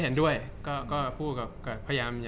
จากความไม่เข้าจันทร์ของผู้ใหญ่ของพ่อกับแม่